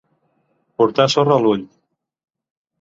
Portar sorra a l'ull.